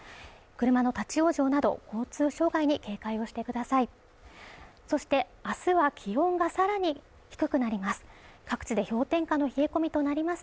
車の立往生など交通障害に警戒をしてくださいそして明日は気温がさらに低くなります